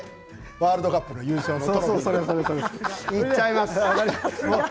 ワールドカップの優勝のトロフィー、いっちゃいます。